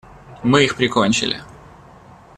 Мы их прикончили.